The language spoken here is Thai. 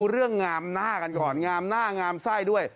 เรื่องงามหน้ากันก่อนงามหน้างามไส้ด้วย